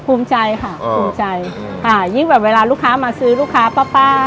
ฝึงใจค่ะฝึงใจค่ะอืออ๋อยังแบบเวลาลูกค้ามาซื้อลูกค้าป๊าป้า